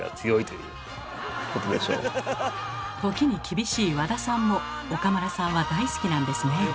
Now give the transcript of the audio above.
時に厳しい和田さんも岡村さんは大好きなんですね。